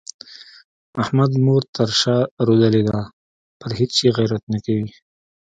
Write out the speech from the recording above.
احمد مور تر شا رودلې ده؛ پر هيڅ شي غيرت نه کوي.